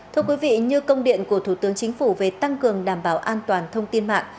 thưa quý vị như công điện của thủ tướng chính phủ về tăng cường đảm bảo an toàn thông tin mạng